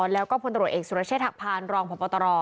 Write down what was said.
แล้วก็พตเอกสุรเชษฐกภารรองพบ